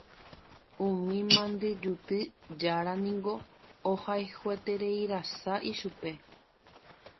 Umi mandyjuty jára niko ohayhuetereirasa ichupe.